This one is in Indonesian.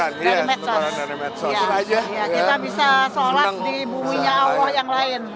kita bisa solat di bumi nyawa yang lain